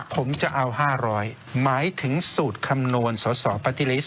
ผมจะเอาห้าร้อยหมายถึงสูตรคำนวณสอสอปฏิลิสต์